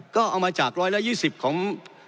ก็เอามาจาก๑๒๐ของ